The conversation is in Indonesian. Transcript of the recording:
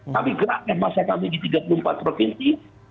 kami gerakkan masa kami di tiga puluh empat provinsi